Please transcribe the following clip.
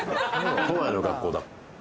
都内の学校だ。